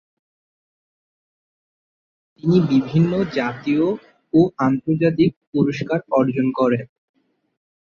তিনি বিভিন্ন জাতীয় ও আন্তর্জাতিক পুরস্কার অর্জন করেন।